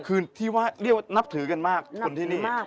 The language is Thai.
คือที่ว่าเรียกว่านับถือกันมากคนที่นี่